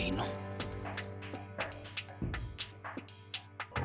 eh ini apa tuh